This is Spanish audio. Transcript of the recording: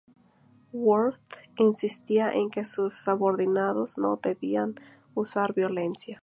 Worth insistía en que sus subordinados no debían usar violencia.